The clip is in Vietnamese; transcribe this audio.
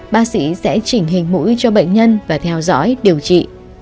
bác sĩ sẽ chỉnh hình mũi cho bệnh nhân và theo dõi điều trị